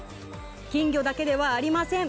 金魚だけではありません。